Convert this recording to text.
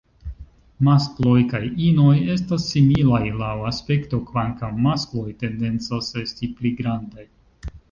Maskloj kaj inoj estas similaj laŭ aspekto, kvankam maskloj tendencas esti pli grandaj.